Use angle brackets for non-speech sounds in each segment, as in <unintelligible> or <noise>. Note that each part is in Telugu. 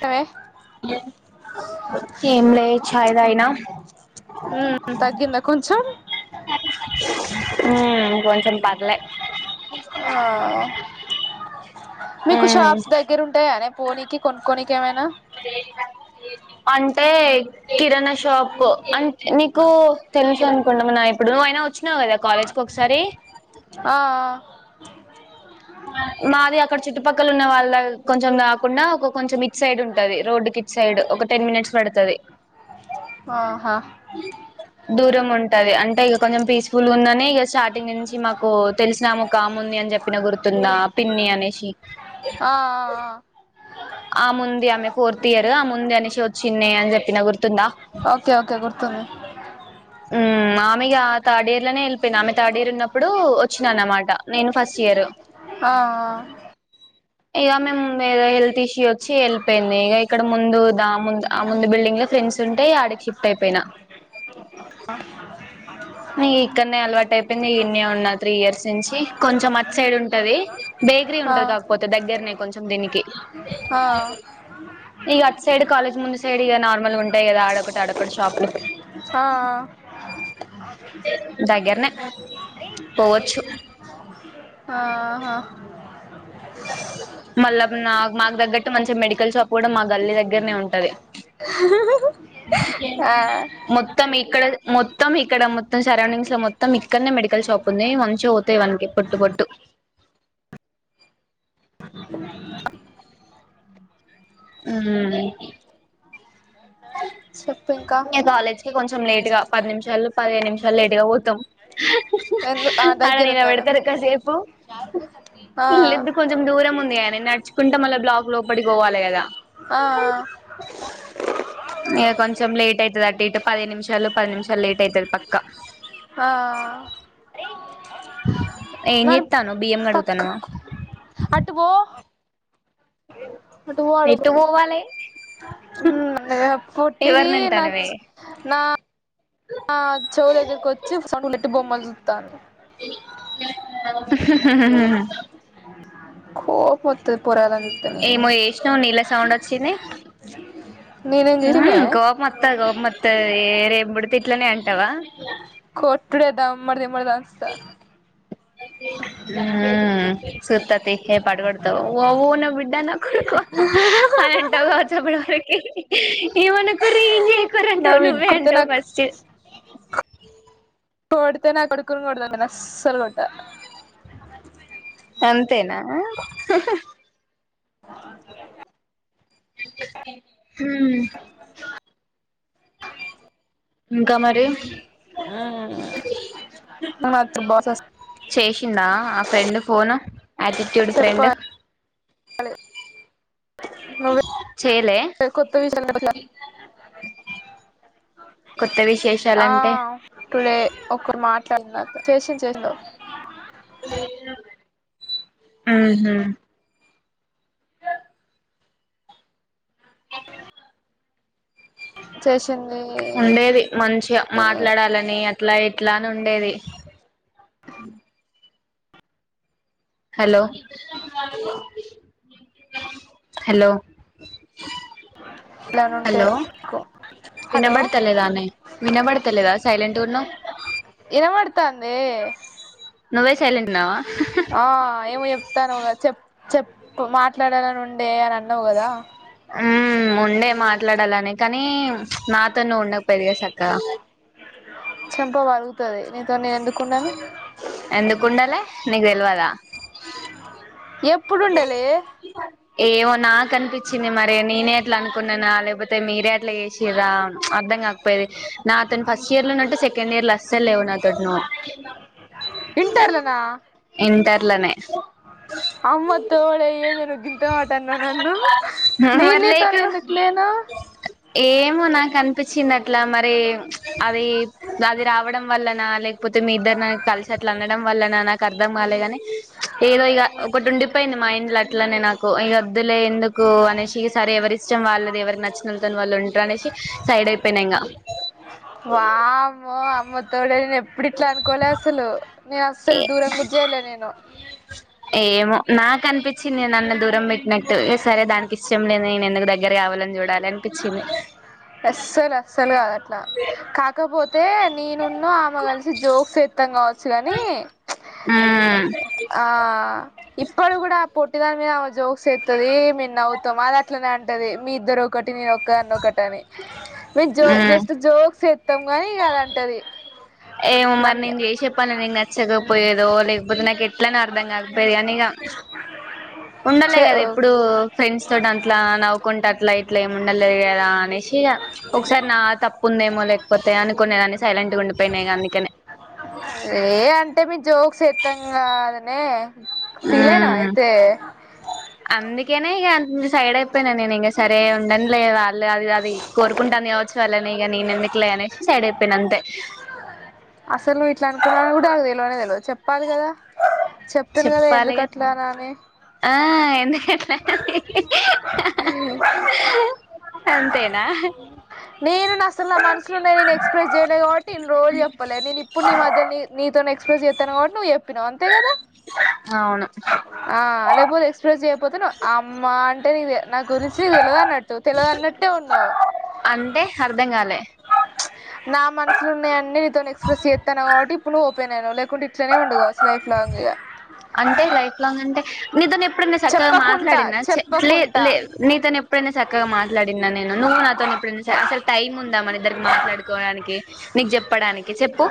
కనే ఏం లే చాయ్ తాగినా ఉమ్ తగ్గిందా కొంచెం ఊమ్ కొంచం పర్లే ఆ తీసుకుంటవ మీకు షాప్స్ దగ్గర ఉంటయానే పోనీకి కొనుక్కోనికి ఏమైనా అంటే కిరాణషాప్ అంట్ నీకు తెలసనుకుంటా మనా ఇప్పుడు అయినా వచ్చినవు కదా కాలేజ్కి ఒకసారి ఆ ఆ మాది అక్కడ చుట్టుపక్కల ఉన్న వాళ్ళ కొంచెం గాకుండా ఒక కొంచెం ఇట్ సైడ్ ఉంటది రోడ్డుకి సైడ్ ఒక టెన్ మినిట్స్ పడుతది ఆహా <inaudible> దూరం ఉంటది అంటే ఇగ కొంచెం పీస్ఫుల్గ ఉందని ఇగ స్టార్టింగ్ నుంచి మాకు తెలిసినామొకామే ఉందని చెప్ పిన గుర్తుందా పిన్ని అనేషి ఆ ఆ ఆ ఆముంది ఆమె ఫోర్త్ ఇయర్ ఆముందనేది వచ్చిన్నే అని చెప్పిన గుర్తుందా ఓకే ఓకే గుర్తుంది <inaudible> ఉమ్ ఆమిగా థర్డ్ ఇయర్ లనే వెళ్ళిపోయింది, ఆమె థర్డ్ ఇయర్ ఉన్నప్పుడు వచ్చినా అన్నమాట నేను ఫస్ట్ ఇయర్. ఆ ఆ ఇగ మేము హెల్త్ ఇష్యూ వచ్చి వెళ్ళిపోయింది, ఇగ ఇక్కడ ముందు దా ముం ఆ ముందు బిల్డింగ్ లో ఫ్రెండ్స్ ఉంటె ఆడికి షిఫ్ట్ అయిపోయినా. <inaudible> ఆ ఇక్కన్నే అలవాటు అయిపోయింది ఇన్నే ఉన్నా త్రీ ఇయర్స్ నుంచి, కొంచెం అట్ సైడ్ ఉంటది. బేకరీ ఆ ఉంటది కాకపోతే దగ్గర్నే కొంచెం దీనికి. ఆ ఇగ అటు సైడు కాలేజ్ ముందు సైడ్ ఇగ నార్మల్ ఉంటయి కదా, అడొకటి అడొకటి షాప్లు ఆఆ దగ్గర్నే పోవచ్చు <inaudible> ఆహ మళ్ళ నా మాకు తగ్గట్టు మంచిగ మెడికల్ షాప్ కూడ మా గల్లి దగ్గరనే ఉంటది, ఆ మొత్ త్తం ఇక్కడే మొత్తం ఇక్కడ మొత్తం సరౌండింగ్స్ ల మొత్తం ఇక్కన్నే మెడికల్ షాప్ ఉంది, మంచిగ పోతాయి వానికిప్పుడు టు పొట్టు <inaudible> ఉమ్ చెప్పు ఇంకా ఇంగ కాలేజ్కి కొంచెం లేటుగా పది నిమిషాలు, పదిహేను నిమిషాలు లేటుగ పోతం. ఎందు ఆ ఆల దగ్గరుందనా నిలబెడతరు కసేపు ఆ లిద్దు కొంచెం దూరం ఉంది కానే నడుచుకుంట మళ్ళ బ్లాక్ లోపడికి పోవాలె కదా. ఆఆ ఇగ కొంచెం లేట్ ఐతది అటు ఇటు పదిహేను నిమిషాలు, పది నిమిషాలు లేట్ ఐతది పక్క. ఆ ఏ మరి చెత్తానవు బియ్యం కడుగుతాన్నవా? పక్కకు అటు వో ఎటు వోవాలే? హ్మ్ పొట్టిది నా అంటానవే చ్ నా ఆ చెవు దగ్గరకి వచ్చి చాక్లెట్ బొమ్మని చూత్తాంది. <inaudible> కోపం వత్తది పోరాగాల్లను ఏమో చెసినవు నీళ్ళ సౌండ్ వచ్చింది, నేనేం ఉమ్ చేసిన్నే కోపమ్ వత్తది కోపం వత్తది రేపు పుడితే ఇట్లనే అంటవా? కొట్టుడే దమ్మడి దిమ్మడి దంచుతా ఉమ్ సూత్తతి ఏ పడుకడతవ్ వో నా బిడ్డ నా కొడుకు అని అంటావ్ కావచ్చు అప్పుడు. ఏమనకుర్రీ ఏం చేయకుర్రీ నా అంటవు బిడ్ నువ్వే కొడితే అంటావు నాకు ఫస్ట్ కొడుతే నా కొడుకును కొడతా నేను అస్సలు కొట్ట అంతేనా ఉమ్ ఇంకా మరి ఆ మత్ర బోసస్ చేసిందా ఆ ఫ్రెండ్ ఫోన్ ఆటిట్ చెప్పాలే చేయలే నువ్వే కొత్త విశాల్ మాట్లా కొత్త ఆ విశేషాలంటే టుడే ఒకరు మాట్లాడినంతా చేసిన్ చేసినా ఉహు చేసింది ఉండేది మంచిగా మాట్లాడాలని అట్లా ఇట్లా అని ఉండేది. హలో హలో ప్లాన్ ఉంటే హలో కో హలో వినబడతలేదానే వినబడతలేదా సైలెంట్ ఉన్నావ్ ఇనబడ్తాందే నువ్వే సైలెంట్ ఉన్నావా ఆ ఏమో చెప్తాన్నావ్ గా చెప్, చెప్ <unintelligible> మాట్లాడాలని ఉండే అని అన్నావు గదా. ఉమ్మ్ ఉండే మాట్లాడాలని కానీ నాతో నువ్ ఉండకపోయేదిగా సక్కగా చెంప పల్గుతది నీతో నేను ఎందుకుండను ఎందుకుండలే నీగ్ తెల్వదా ఎప్పుడుండలే ఏమో నాక్ అనిపిచ్చింది మరి, నేనే ఎట్లా అనుకున్నానా లేక్పోతే మీరే అట్ అట్లా చేసిర్రా అర్థంకాకపోయేది, నాతోని ఫస్ట్ ఇయర్ లో ఉన్నట్టు సెక్ సెకండ్ ఇయర్ లో అస్సల్ లేవ్ నాతోటి నువ్ ఇంటర్లనా ఇంటర్లనే అమ్మతోడే ఏందే నువ్ గింత మాటన్నవ్ నన్ను, నేన్ మరి నీతోన్ లేకు ఎందుక్ లేను. ఏమో నాక్ అనిపిచ్చింది అట్లా మరి, అది అది రావడం వల్లనా లేక్ పోతే మీ ఇద్దరు నా కలిసి అట్లా అనడం వల్లనా, నాక్ అర్థం కాలేగాని ఏదో ఇక ఒకట్ ఉండి పోయింది మైండ్ల అట్లనే నాకు ఇగ ఒద్దులే ఎందుకు అనే స్ ఇగ సరే ఎవరి ఇష్టం వాళ్ళది, ఎవరిక్ నచ్చినోళ్ తోన్ వాళ్ళు ఉంటార్ అనేసి, సైడ్ అయిపోయినా ఇంగా వామ్మో అమ్మత్ తోడే నేన్ ఎప్పుడు ఇట్లా అనుకోలే అస్సలు, నే అస్సల్ దూరం గుడా జేయ్లే నేను ఏమో నాక్ అనిపిచ్చింది నన్ను దూరం పెట్టినట్టు, ఇగ సరే దానికి ఇష్టం లేదు నేను ఎందుకు దగ్గర కావాలని చూడాల్ లనిపిచ్చింది అస్సల్ అస్సల్ గాద్ అట్లా, కాకపోతే నేనున్ను ఆమె గల్సి జోక్స్ ఏత్తాం గావచ్చు గాని హమ్మ్ ఆ ఇప్పుడ్ గుడా పొట్టి దాని మీద జోక్స్ ఏత్తది మేం నవ్వుతాం అది అట్లనే అంటది, మీ ఇద్దరు ఒకటి నేను ఒ కాన్ ఒకట్ అని మేము జో ఉమ్ జస్ట్ జోక్స్ ఏస్తాం గానీ ఇగ అదంటది. ఏమో మరి నేన్ జేసే పని నీకు నచ్చకపోయేదో, లేక్పోతే నాక్ ఎట్ ఎట్లనో అర్థంగాకపోయేది గని ఇగ, ఉండలే చే గదా ఎప్పుడు ఫ్రెండ్స్ తోట్ అట్లా నవ్వుకుంట అట్లా ఇట్లా ఏమి ఉండలేద్ గాద అనేసి ఇగ ఒకసారి నా తప్పు ఉందేమో లేక్పోతే అనుకునేదాన్ని సైలెంట్ గా ఉండిపోయినా ఇగ అందుకనే అ ఏ అంటే మే జోక్స్ ఎత్తాం గాదానే, ఫీల్ అయినా మ్మ్ అయితే. అందుకేనే ఇగ సైడ్ అయిపోయినా నేను ఇంక సరే ఉండంలేరా <unintelligible> ది గాది కోరుకుంటాంది కావచ్చు వాళ్ళని ఇగా నేను ఎందుకులే అనేసి సైడ్ అయిపోయిన అంతే అసలు నువ్వు ఇట్లా అనుకున్నావని కూడా నాకు తెలువనే తెలువది చెప్పాలి కదా చెప్తును కదా ఎందుకు చెప్పాలిగా అట్లానా అని ఆ ఎందుకట్లని అంతేనా నేను నా అసలు నా మనసులోన్నేది నేను ఎక్స్ప్రెస్ చేయలే కాబట్టి ఇన్ని రోజులు చెప్పలే నేను ఇప్పుడు నీ మధ్యల్ని నీతోనే ఎక్స్ఫ్రెస్ జేత్తన కాబట్టి నువ్ చెప్పినావు అంతే కదా హావును ఆ లేకపోతే ఎక్స్ప్రెస్ చేయకపోతే నువు అమ్మ అంటే నీదే నా గురించి తెలివద్ అన్నట్టు తెలవదన్నట్టు అంటే అర్ధంగాలే నా మనసులో ఉన్నయన్నీ నీతోను ఎక్స్ప్రెస్ చేత్తన కావట్టి ఇప్పుడు నువ్వు ఓపెన్ అయినవు, లేకుంటే ఇట్లానే ఉండు కావచ్చు లైఫ్ లాంగ్ ఇగా అంటే లైఫ్ లాంగ్ అంటే నీతోను ఎప్పుడన్నా చక్కగా చెప్పకుంటా మాట్లాడిన్నా చ లే చెప్పకుంటా లే నీతోను ఎప్పుడైనా చక్ కగా మాట్లాడిన్నా నేను నువ్ నాతోన ఎప్పుడైనా <unintelligible> టైమ్ ఉందా మన ఇద్దరి మాట్లాడుకోవడానికి నీకు చెప్పడానికి చెప్పు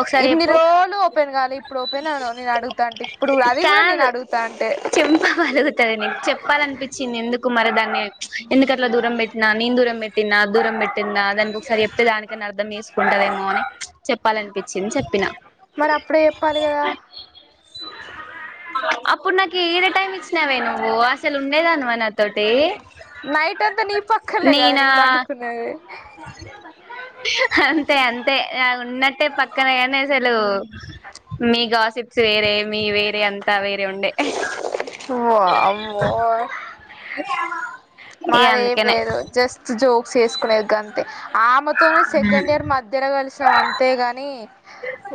ఒకసారి చెప్పు సల్ ఓపెన్ గాలే ఇప్పుడు ఓపెన్ అయినవ్ నేను అడుగుతాంటే ఇప్పుడు అది కూడా నేను కాదు అడుగుతా అంటే చెంప పలుగుతది నీకు చెప్పాలనిపిచ్చింది ఎందుకు మరి దాన్ని ప్చ్ ఎందుకట్లా దూరం పెట్టినా నేను దూరం పెట్టిన్నా దూరం పెట్టిందా దానికి ఒకసారి చెప్తే దానికన్నా అర్థం చేసు కుంటాదేమో అని ప్చ్ చెప్పాలనిపిచ్చింది చెప్పినా మరి అప్పుడే చెప్పాలి కదా అప్పుడు నాకు ఏడ టైమ్ ఇచ్చినావే నువ్వు అస్సలు ఉండేదానివా నా నైట్ అంతా నీ పక్కలే కదా నేనా నేను పండుకున్నది అంతే అంతే ఆ ఉన్నట్టే పక్కనయ్యానే అసలు మీ గాసిప్స్ వేరే మీ వేరియా అంతా వేరే ఉండే ఇగ మాది ఏం అందుకనే లేదు జస్ జోక్స్ వేసుకునేది గంతే ఆమెతోనే మ్మ్ సెకండ్ ఇయర్ మ ధ్యలో గలిసినం అంతేగాని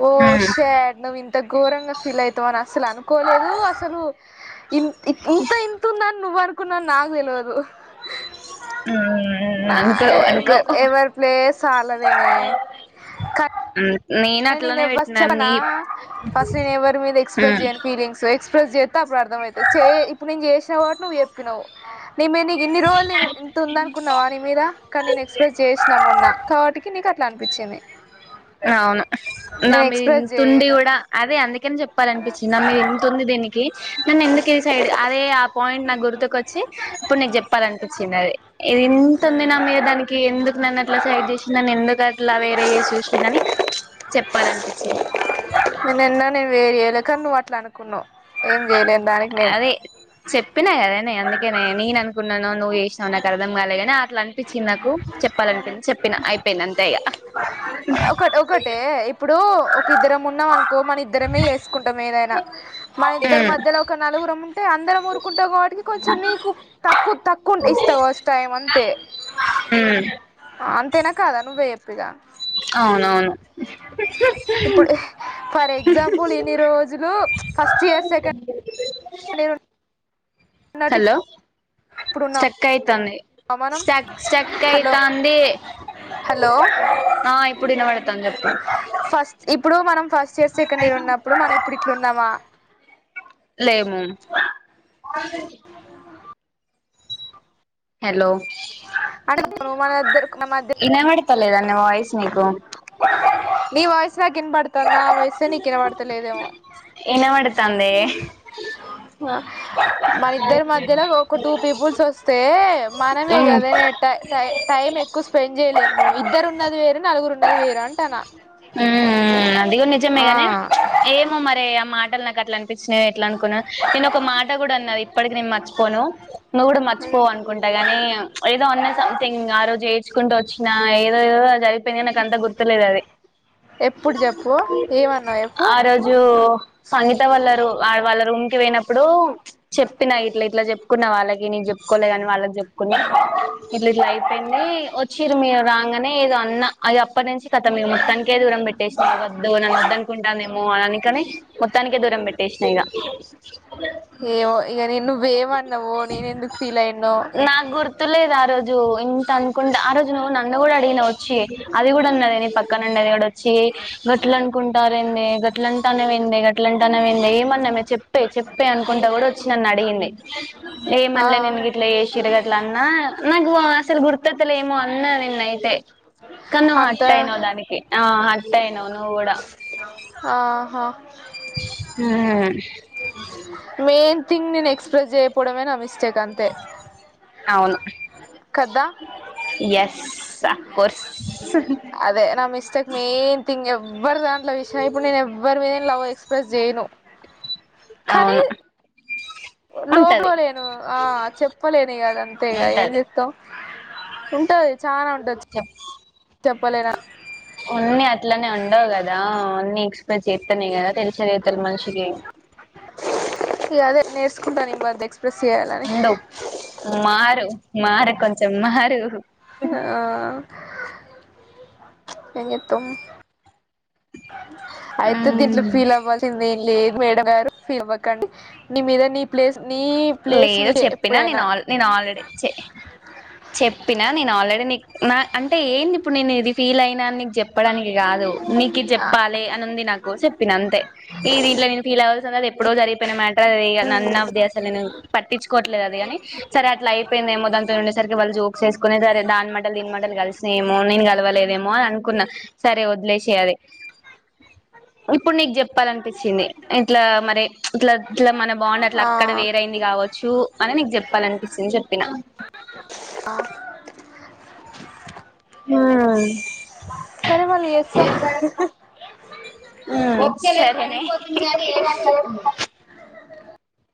ఓ షట్ నువ్వు ఇంత ఘోరంగా ఫీల్ అయి అని అసలు అనుకోలేదు అసలు ఇంత ఇంతంద నువ్వనుకున్నది నాకు తెలివదు నా మ్మ్ అనుకో ఎవ అనుకో ఎవ్వరి ప్లేస్ వాల్లదేనే మ్మ్ కానీ నేను <unintelligible> ఫస్ట్ నేను ఎవ్వరి మీద ఎక్స్ప్రెస్ మ్మ్ జేయను ఫీలింగ్స్ ఎక్స్ ఫ్రెస్ చేస్తే అప్పుడు అర్థమైతది చే ఇప్పుడు నేను చేసిన కావటు నువ్వు చెప్పినావ్ నీ మీద నీకు ఇన్ని రోజులు ఇంత ఉందనుకున్నావా నీ మీద కానీ నేను ఎక్స్ప్రెస్ చేసినా మొన్నా కాబట్టి కి నీకు అట్లా అనిపిచ్చింది అవును నా మీద ఎక్స్ప్రెస్ ఇతుండి చేయను కూడా అదే అందుకని చెప్పాలనిపించింది నా మీద ఇంతు ఉంది దీని కి నన్ను ఎందుకు ఈ సైడ్ అదే ఆ పాయింట్ నా గుర్తుకి వచ్చి ఇప్పుడు నీకు చెప్పాలనిపిచ్చింది అది ఇది ఇంతుంది నా మీద దానికి ఎందుకు నన్ను అట్లా సైడ్ చేసి నన్ను ఎందుకు అట్లా వేరేయ్యే చూసిం దని చెప్పాలనిపిచ్చింది నేనన్నా నేను వేరు చేయలే కానీ నువ్వు అట్లా అనుకున్నావు ఏం చేయలేం అదే చెప్పినా కదా నే అందుకేనే నేన కున్నానో నువ్వు చేసినావో నాకు అర్థం కాలేగాని అట్లా అనిపించింది నాకు చెప్పాలినిపిచ్చి చెప్పినా పెనంతేగా ఆ ఒక ఒకటే ఇప్పుడు ఒక ఇద్దరం ఉన్నాం అనుకో మన ఇద్దరమే వేసుకుంటాం ఏదైనా మన ఇద్దరి ఉమ్ మధ్యలో క్క నలుగురం ఉంటే అందరం ఊరుకుంటావు కాబట్టికి కొంచెం మీకు తక్కువ తక్కువ ఇస్తావుస్ టైం అంతే హ ఉ అంతేనా కాదా నువ్వేయప్పిగా అవునవును ఇప్పుడు ఏ ఫర్ ఎగ్జాంపుల్ ఇన్ని రోజులు ఫస్ట్ ఇయర్ సెకండ్ నేనున్ హలో ఇప్పుడున్న క్క అయితుంది సక్ స్ట్రక్ హలో అయితాంది. హలో ఆ ఇప్పుడు వినబడతాను చెప్పు ఫస్ట్ ఇప్పుడు మనం ఫస్ట్ ఇయర్, సెకండ్ ఇయర్ ఉన్నప్పుడు మనం ఇప్పుడు ఇట్లు ఉన్నామా? లేేమో హలో అంటే ప్రోమో లో ఏద్దరు ఇనబడతలేదండి వాయిసు నీకు? నీ వాయిసు నాకు ఇనబడుతుంది నా వాయిసే నీకి ఇనబడత లేదేమో ఇనబడతాందే వ మన ఇద్దరి మధ్యలో ఒక టూ పీపుల్స్ వస్తే మనమే మ్మ్ కదా నె ట టై టైం ఎక్కువ స్పెండ్ చేయలేము. ఇద్దరు ఉన్నది వేరు నలుగురున్నది వేరు అంటాన మ్ అది గూడ నిజమే గాని ఏమో మరి ఆ మాటలు నాకు అట్లాంటి పిచినయ్ ఎట్లా అనుకున్నా నేను ఒక మాట కూడా అన్నారు ఇప్పటికి నేను మర్చిపోను. నువ్వు కూడా మర్చిపోవ అనుకుంటా గానీ ఏదో ఉన్నా సంథింగ్ ఆ రోజు ఏ డ్చుకుంటూ వచ్చినా ఏదోదో జరిగిపోయింది గాని నాకు అంత గుర్తులేదు అది. ఎప్పుడు చెప్పు ఏమన్నా చెప్పు? జో సంగీత వాళ్ళ రు వాళ్ళ రూమ్ కి పోయినప్పుడు చెప్పినా ఇట్లా ఇట్లా చెప్ కున్నా వాళ్ళకి నేను చెప్పుకోలే కాని వాళ్ళకి చెప్పుకుని ఇట్లు ఇట్లా అయిపోయింది వచ్చిరు మీ రాగానే ఏదో అన్న అది అప్పటి నుంచి కద మీ మొత్తాం కే దూరం పెట్టేసి వద్దు నన్న వద్దు అనుకుంటానునేమో అని అనికని మొత్తానికే దూరంబెట్టేష్న ఇగ ఏమో ఇగ నిన్ను నువ్వేమన్నావు నేను ఎందుకు ఫీల్ అయన్నో నాగుర్ త్తు లేదు ఆ రోజు ఇంత అనుకుంటే ఆ రోజు నువ్వు నన్ను కూడా అడిగిన వచ్చి అది కూడా ఉన్నది నీ పక్కన అండగాడు వచ్చి గట్లు అనుకుంటారండి గట్లు అంటానే వెండి గట్ల అంటానే వె ఏమన్నా మీరు చెప్పే చెప్పే అనుకుంటా కూడా వచ్చి నన్ను అడిగింది. ఆ ఏమన్నాలే నేను లేసిరు గట్ల అన్నా నాకు అసలు గుర్తతలే ఏమో అన్నా నిన్నయితే కాని నువ్ హట్ట అంతా అయినవ్ దానికి ఆ హట్ట అయినవ్ నువ్ కూడా ఆహా ఆ మెయిన్ థింగ్ నేను ఎక్స్ప్రెస్ చేయపోవడమేనా నా మిస్టేక్ అంతే అవును కద్ద ఎస్ అఫ్ కోర్స్ హుహ్ అదే నా మిస్టేక్ మెయిన్ థింగ్ ఎవ్వరి దాంట్లో విషయం ఇప్పుడు నేను ఎవ్వరి మీదే లవ్ ఎక్స్ప్రెస్ చేయను అవును ఉంటది లోపోలేను ఆ చెప్పలేను ఇగ అదంతే ఇగ ఉంటది ఎంజే కం ఉంటాది చేప్ ఓన్ని అట్లనే ఉండవ్ కదా అన్ని ఎక్స్ ప్రెస్ చేత్తనే కదా తెలిషేది ఉతల్ మనిషికి ఇగ అదే నేర్చకుంటన్న ఈ మధ్య ఎక్స్ప్రెస్ చేయాలని ఉండవు మారు మారే కొంచెం మారు ఆ ఎంజేత్తవ్ అయితే దీంట్లో ఫీల్ అవ్వద్ చింది ఏం లేదు మేడమ్ గారు ఫీల్ అవ్వకండి నీ మీద నీ ప్లేస్ నీ ప్లేస్ లేదు నీదే చెప్పినా ఎప్పుడైనా నేను ఆల్ నేను ఆల్రెడీ చే చెప్పినా నేను ఆల్రెడీ నీకు నా అంటే ఏంది ఇప్పుడు నేను ఇది ఫీల్ అయినా అని నీకు చెప్పడానికి కాదు నీకి చెప్పాలి అని ఉంది నాకు చెప్పిన అంతే ఈ దీంట్లో నేను ఫీల్ అవ్వాల్సింది లేదు అని ఎప్పుడో జరిగిపోయిన మేటర్ ఏ ఇగ నన్నఫ్ అ నేను పట్టించుకోట్లేదు అది గాని సరే అట్లా అయిపోయింది ఏమో దంతోని ఉండేసరికి వాళ్ళ జోక్స్ ఎస్ కునే సరే దాని మాటల్ దీని మాటల్ కలిసిన ఏమో నేను కలవలేదేమో అని అనుకున్నా సరే వదిలేశెయ్ అది ఇప్పుడు నీకు చెప్పాలనిపించింది ఇట్లా మరి ఇట్లా ఇట్లా మన బాండ్ అట్లా ఆ యింది కావచ్చు అని నీకు చెప్పాలనిపించింది చెప్పిన హా సరే మళ్ళీ చేస్సా హ్మ్ <inaudible>